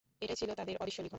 এটাই ছিল তাদের অদৃষ্ট লিখন।